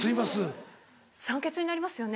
酸欠になりますよね。